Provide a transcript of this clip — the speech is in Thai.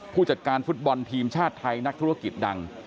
ผู้จัดการฟุตบอลทีมชาติไทยนักธุรกิจดัง